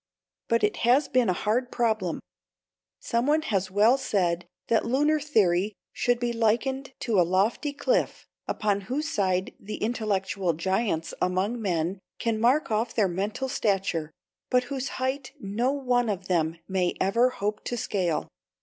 But it has been a hard problem. Someone has well said that lunar theory should be likened to a lofty cliff upon whose side the intellectual giants among men can mark off their mental stature, but whose height no one of them may ever hope to scale.